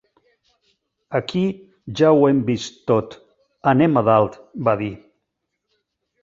"Aquí ja ho hem vist tot; anem a dalt", va dir.